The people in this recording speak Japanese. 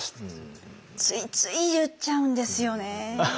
ついつい言っちゃうんですよね。